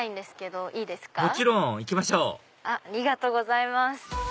もちろん！行きましょうありがとうございます。